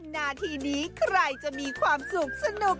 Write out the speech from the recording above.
นาทีนี้ใครจะมีความสุขสนุก